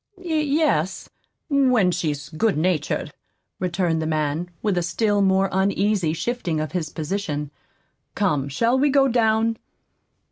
"Y yes, when she's good natured," returned the man, with a still more uneasy shifting of his position. "Come, shall we go down?"